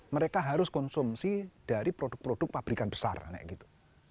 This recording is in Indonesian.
mereka harus konsumsi dari produk produk pabrikan besar kayak gitu